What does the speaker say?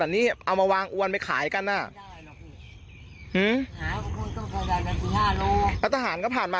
นี่เอามาวางอ้วนไม่ขายกันอ่ะห้ะทหารก็ผ่านมา